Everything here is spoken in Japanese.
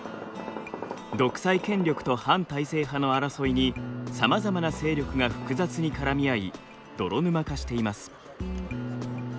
独裁権力と反体制派の争いにさまざまな勢力が複雑に絡み合い泥沼化しています。